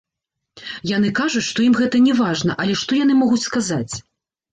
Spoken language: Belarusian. Яны кажуць, што ім гэта не важна, але што яны могуць сказаць?!